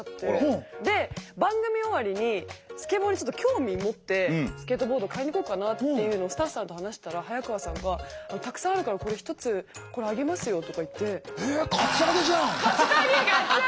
ほお。で番組終わりにスケボーにちょっと興味持ってスケートボード買いに行こうかなっていうのをスタッフさんと話してたら早川さんが「たくさんあるからこれ１つこれあげますよ」とか言って。